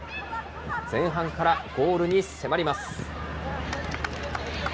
前半からゴールに迫ります。